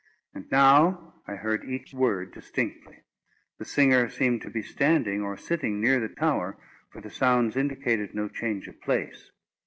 And now I heard each word distinctly. The singer seemed to be standing or sitting near the tower, for the sounds indicated no change of place.